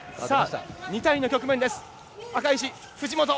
２対２の局面です。